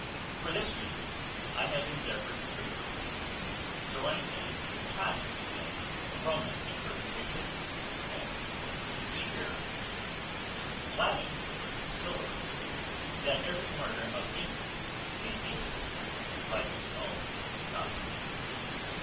For this reason I have endeavoured frequently to join a Teutonic and Roman interpretation, as to cheer, to gladden or exhilarate, that every learner of English may be assisted by his own tongue.